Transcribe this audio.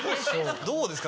どうですか？